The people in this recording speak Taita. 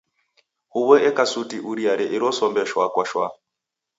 Huw'o eka suti uriare iro sombe shwa kwa shwa.